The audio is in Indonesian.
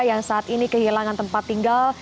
yang saat ini kehilangan tempat tinggal